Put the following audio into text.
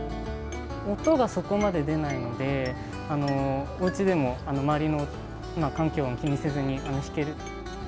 音がそこまで出ないので、おうちでも周りの環境を気にせずに弾ける。